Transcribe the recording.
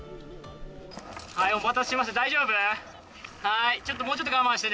お待たせしました、大丈夫？